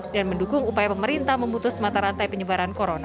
dan mendukung upaya pemerintah memutus mata rantai penyebaran corona